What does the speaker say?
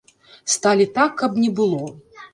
Сталі так, каб не было.